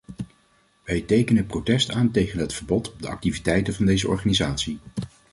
Wij tekenen protest aan tegen het verbod op de activiteiten van deze organisatie.